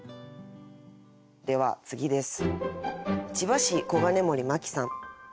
では次です。